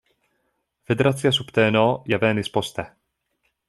Federacia subteno ja venis poste.